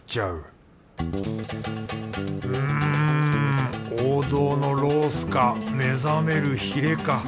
うん王道のロースか目覚めるひれか。